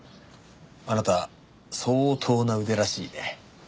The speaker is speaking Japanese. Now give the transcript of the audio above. あなた相当な腕らしいね。